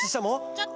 ちょっと！